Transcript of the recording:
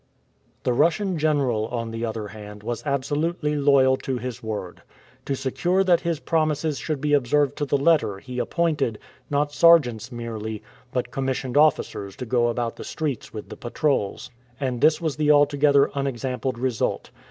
The Russian general, on the other hand, was absolutely loyal to his word. To secure that his promises should be observed to the letter he appointed, not sergeants merely, but commissioned oilicers to go about the streets with the patrols. And this was the altogether unexampled result.